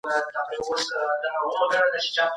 د جرګي تلویزیون څه ډول خپروني لري؟